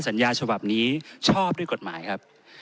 สัญญาฉบับนี้ชอบด้วยกฎหมายครับ